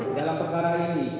dalam perkara ini